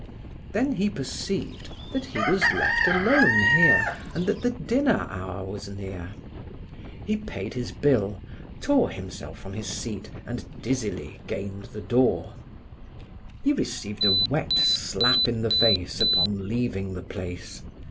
Then he perceived that he was left alone here and that the dinner hour was near. He payed his bill, tore himself from his seat and dizzily gained the door. He received a wet slap in the face upon leaving the place.